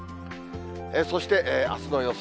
そして、あすの予想